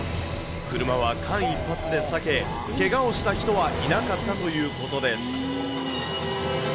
車は間一髪で避け、けがをした人はいなかったということです。